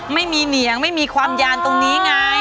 ไม่มีเหนียงไม่มีความยานตรงนี้ไง